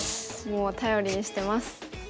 もう頼りにしてます。